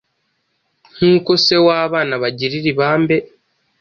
Nk’uko se w’abana abagirira ibambe,